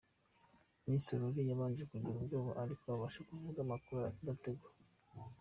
Miss Aurore yabanje kugira ubwoba ariko abasha kuvuga amakur adategwa.